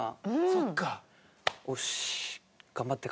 そっちか。